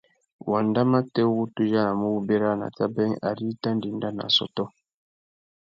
Wanda matê wu tu yānamú wu bérana a tà being ari i tà ndénda nà assôtô.